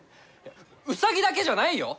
ウサギだけじゃないよ！